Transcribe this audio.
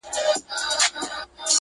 كه مالدار دي كه دهقان دي كه خانان دي؛